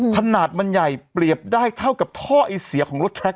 ขนาดมันใหญ่เปรียบได้เท่ากับท่อไอเสียของรถแทรก